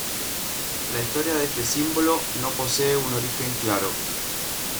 La historia de este símbolo no posee un origen claro.